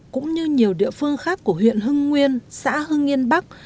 cũng như nhiều địa phương khác của huyện hưng nguyên xã hưng yên bắc